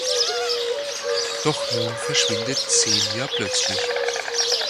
Doch nun verschwindet Celia plötzlich.